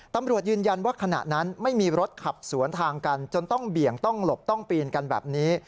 ตำรวจยืนยันว่าขณะนั้นไม่มีรถขับสวนทางกันจนต้องเบี่ยงต้องหลบต้องปีนกันแบบนี้